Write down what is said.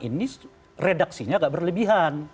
ini redaksinya agak berlebihan